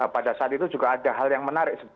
pada saat itu juga ada hal yang menarik